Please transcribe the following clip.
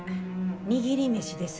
握り飯です。